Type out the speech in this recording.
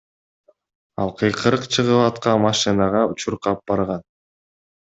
Ал кыйкырык чыгып аткан машинага чуркап барган.